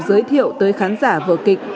giới thiệu tới khán giả vở kịch